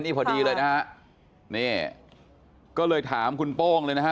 นี่พอดีเลยนะฮะนี่ก็เลยถามคุณโป้งเลยนะฮะ